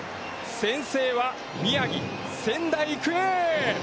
先制は宮城仙台育英。